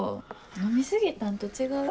飲み過ぎたんと違う？